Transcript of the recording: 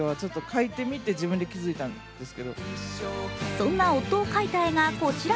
そんな夫を描いた絵がこちら。